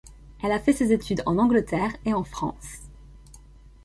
Elle a fait ses études en Angleterre et en France.